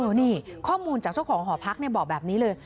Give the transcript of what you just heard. นี่ข้อมูลจากเจ้าของหอพักบอกแบบนี้เลย